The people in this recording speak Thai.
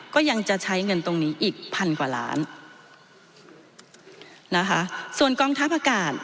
ก็ยังจะใช้เงินตรงนี้อีกพันกว่าล้านนะคะส่วนกองทัพอากาศ